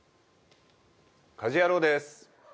家事ヤロウです。